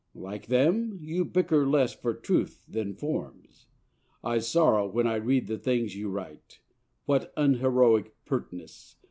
Like them, you bicker less for truth than forms. I sorrow when I read the things you write, What unheroic pertness!